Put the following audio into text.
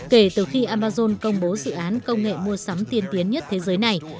kể từ khi amazon công bố dự án công nghệ mua sắm tiên tiến nhất thế giới này